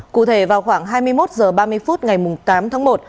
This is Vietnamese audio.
cụ thể vào khoảng hai mươi một h ba mươi phút ngày tám tháng một